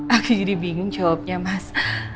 aku jadi bingung jawabnya mas